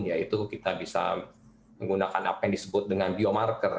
yaitu kita bisa menggunakan apa yang disebut dengan biomarker